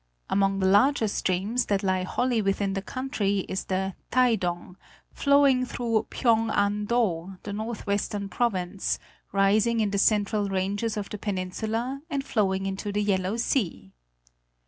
Among the larger streams that lie wholly within the country is the Taidong, flowing through Phyéng an do, the northwestern province, rising in the central ranges of the peninsula and flowing into the Yellow Sea.